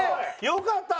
よかった！